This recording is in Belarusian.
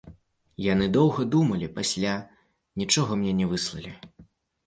Яны доўга думалі, пасля нічога мне не выслалі.